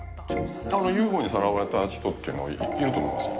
ＵＦＯにさらわれた人っていうのはいると思いますよ。